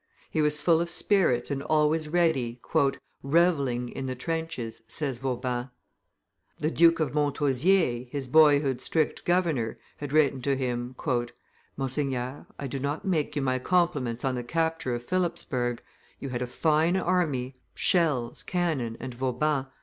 He was full of spirits and always ready, "revelling in the trenches," says Vauban. The Duke of Montausier, his boyhood's strict governor, had written to him, "Monseigneur, I do not make you my compliments on the capture of Philipsburg; you had a fine army, shells, cannon, and Vauban.